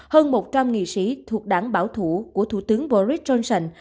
hơn một trăm linh nghị sĩ thuộc đảng bảo thủ của thủ tướng boris johnson